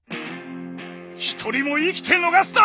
一人も生きて逃すな！